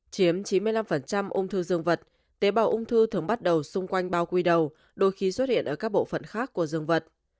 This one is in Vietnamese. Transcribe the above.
chiếm chín mươi năm ung thư dương vật tế bào ung thư thường bắt đầu xung quanh bao quy đầu đôi khi xuất hiện ở các bộ phận khác của dương vật